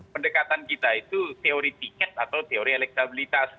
pendekatan kita itu teori tiket atau teori elektabilitas